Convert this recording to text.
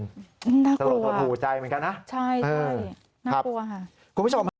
น่ากลัวใช่น่ากลัวค่ะสะโรทนหูใจเหมือนกันนะ